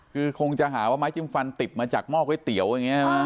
คือคงจะหาว่าไม้จิ้มฟันติดมาจากหม้อก๋วยเตี๋ยวอย่างนี้